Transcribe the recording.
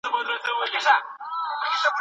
ادبیات او پوهنه